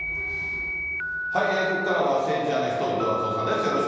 ここからは政治アナリスト、伊藤惇夫さんです。